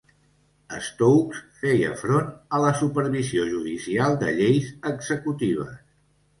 Stokes feia front a la supervisió judicial de lleis executives.